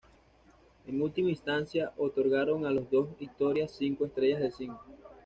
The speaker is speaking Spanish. En última instancia, otorgaron a las dos historias cinco estrellas de cinco.